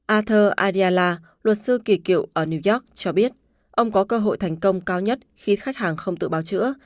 arthur adiala luật sư kỳ kiệu ở new york cho biết ông có cơ hội thành công cao nhất khi khách hàng không tự bảo chữa